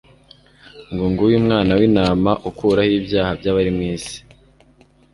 ngo : "Nguyu Umwana w'intama ukuraho ibyaha by'abari mu isi.''"